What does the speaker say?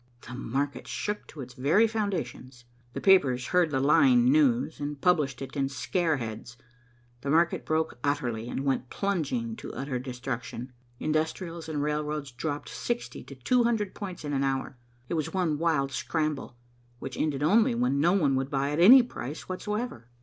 The market shook to its very foundations. The papers heard the lying news, and published it in scare heads. The market broke utterly and went plunging to utter destruction. Industrials and railroads dropped sixty to two hundred points in an hour. It was one wild scramble, which ended only when no one would buy at any price whatsoever.